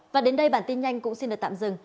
và đến đây bản tin nhanh cũng xin được tạm dừng